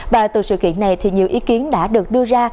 và từ sự kiện này thì nhiều ý kiến đã được đưa ra